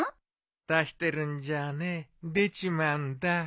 出してるんじゃねえ出ちまうんだ。